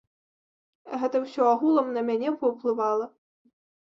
Гэта ўсё агулам на мяне паўплывала.